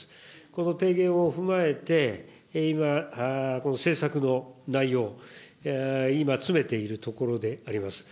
この提言を踏まえて、今、この政策の内容、今、詰めているところであります。